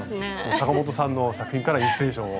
阪本さんの作品からインスピレーションを。